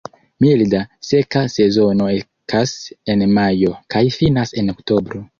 Milda, seka sezono ekas en majo kaj finas en oktobro.